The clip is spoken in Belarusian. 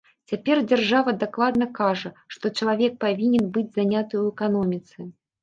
Цяпер дзяржава дакладна кажа, што чалавек павінен быць заняты ў эканоміцы.